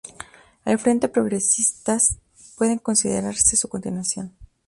El frente Progresistas puede considerarse su continuación.